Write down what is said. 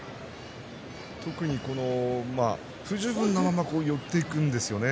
特に不十分なまま寄っていくんですよね。